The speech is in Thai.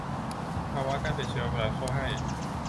ภาวะการติดเชื้อไวรัสเข้าให้